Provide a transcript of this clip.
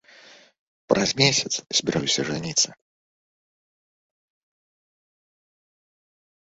Праз месяц збіраюся жаніцца.